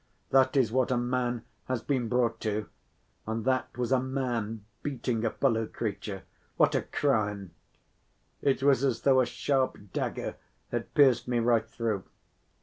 That is what a man has been brought to, and that was a man beating a fellow creature! What a crime! It was as though a sharp dagger had pierced me right through.